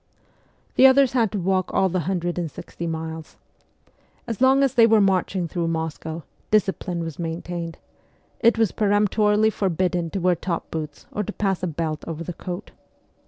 The others had to walk all the hundred and sixty miles. As long as they were marching through Moscow, discipline was maintained : it was peremptorily forbidden to wear top boots or to pass a belt over the coat.